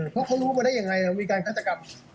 เพราะเขารู้มาได้ยังไงมีการฆาตกรรม